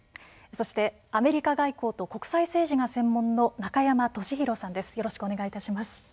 そしてアメリカ外交と国際政治が専門の中山俊宏さんです。